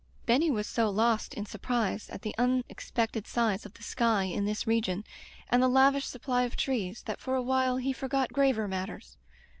Benny was so lost in surprise at the un expected size of the sky in this region, and the lavish supply of trees, that for awhile he forgot graver matters.